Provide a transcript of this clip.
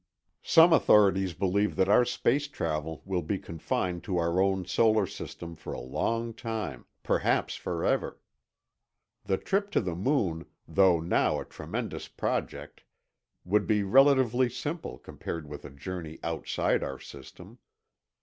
Some authorities believe that our space travel will be confined to our own solar system for a long time, perhaps forever. The trip to the moon, though now a tremendous project, would be relatively simple compared with a journey outside our system.